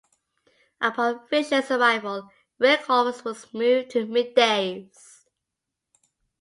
Upon Fisher's arrival, Rick Hall was moved to middays.